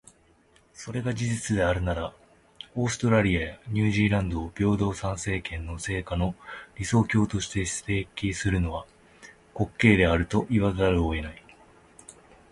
それが事実であるなら、オーストラリアやニュージーランドを平等参政権の成果の理想郷として指摘するのは、滑稽であると言わざるを得ない。